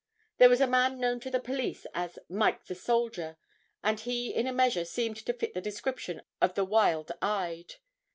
There was a man known to the police as "Mike the Soldier" and he in a measure seemed to fit the description of the "Wild Eyed."